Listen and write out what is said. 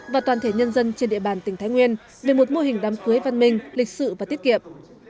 và toàn thể nhân dân trên địa bàn tỉnh thái nguyên về một mô hình đám cưới văn minh lịch sự và tiết kiệm